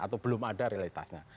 atau belum ada realitasnya